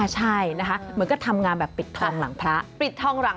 ใช่นะคะเหมือนก็ทำงานแบบปิดทองหลังพระ